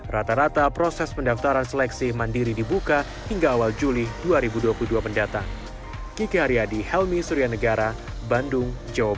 rata rata proses pendaftaran seleksi mandiri dibuka hingga awal juli dua ribu dua puluh dua mendatang